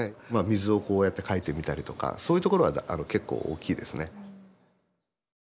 水をこうやって描いてみたりとかそういうところが結構大きいですね。